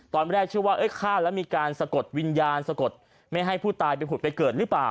ตอนแรกเชื่อว่าฆ่าแล้วมีการสะกดวิญญาณสะกดไม่ให้ผู้ตายไปผุดไปเกิดหรือเปล่า